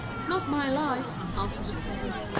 'Not my life,' answered the Servant.